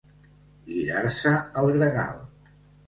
Girar-se el gregal.